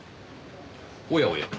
おやおや。